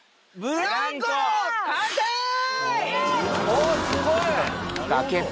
おすごい！